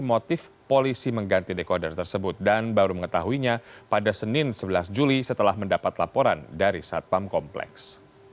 motif polisi mengganti dekoder tersebut dan baru mengetahuinya pada senin sebelas juli setelah mendapat laporan dari satpam kompleks